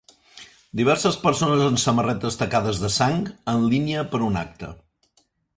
Diverses persones amb samarretes tacades de sang en línia per un acte.